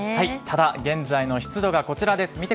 ただ、現在の湿度がこちらです。